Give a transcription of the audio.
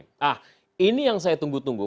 nah ini yang saya tunggu tunggu